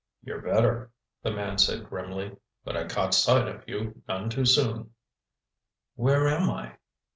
"You're better," the man said grimly. "But I caught sight of you none too soon." "Where am I?"